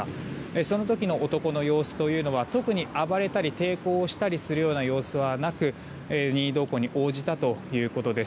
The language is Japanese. その時の男の様子というのは特に暴れたり抵抗したりする様子はなく任意同行に応じたということです。